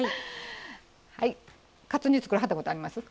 カツ煮作らはったことあります？